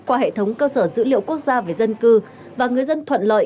qua hệ thống cơ sở dữ liệu quốc gia về dân cư và người dân thuận lợi